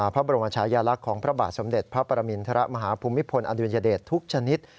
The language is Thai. พระบรมชายาลักษณ์ของพระบาทสมเด็จพระปรมินทรมาฮภูมิพลอดุญเดชทุกชนิด